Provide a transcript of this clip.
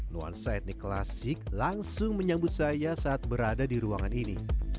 nuansa etnik klasik langsung menyambut saya saat berada di ruangan ini